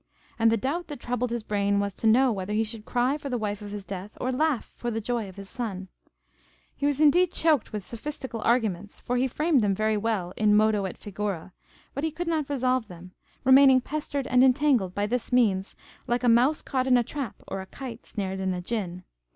And the doubt that troubled his brain was to know whether he should cry for the death of his wife or laugh for the joy of his son. He was hinc inde choked with sophistical arguments, for he framed them very well in modo et figura, but he could not resolve them, remaining pestered and entangled by this means, like a mouse caught in a trap or kite snared in a gin.